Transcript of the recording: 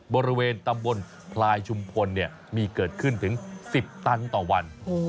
บริเวณตำบลพลายชุมพลมีเกิดขึ้นถึง๑๐ตันต่อวัน